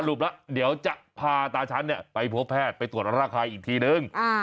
แล้วเดี๋ยวจะพาตาฉันไปพบแพทย์ไปตรวจร่างกายอีกทีนึง